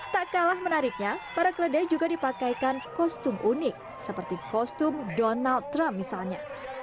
tak kalah menariknya para keledai juga dipakaikan kostum unik seperti kostum donald trump misalnya